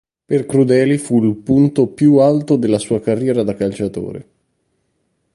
Per Crudeli fu il punto più alto della sua carriera da calciatore.